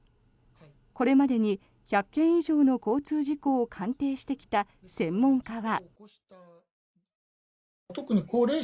これまでに１００件以上の交通事故を鑑定してきた専門家は。